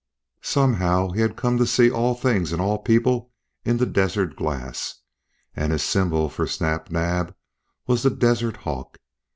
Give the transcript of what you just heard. Somehow he had come to see all things and all people in the desert glass, and his symbol for Snap Naab was the desert hawk.